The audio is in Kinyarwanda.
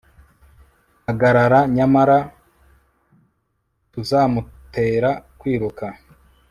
hagarara, nyamara tuzamutera kwiruka